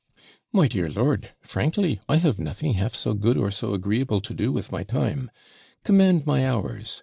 'My dear lord, frankly, I have nothing half so good or so agreeable to do with my time; command my hours.